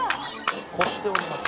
こしております